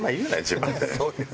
自分で。